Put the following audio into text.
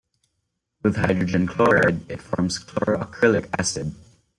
With hydrogen chloride it forms chloroacrylic acid.